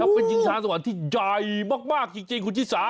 เป็นชิงชาสวรรค์ที่ใหญ่มากจริงคุณชิสา